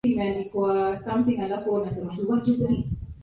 zinajumuisha kuwashwa kwa macho pua na koo matatizo ya